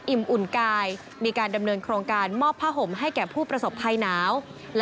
อุ่นกายมีการดำเนินโครงการมอบผ้าห่มให้แก่ผู้ประสบภัยหนาว